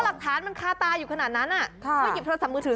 หลักฐานมันคาตาอยู่ขนาดนั้นเมื่อหยิบโทรศัพท์มือถือ